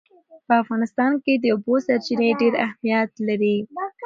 په افغانستان کې د اوبو سرچینې ډېر اهمیت لري.